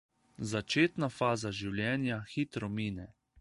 Začetna faza življenja hitro mine.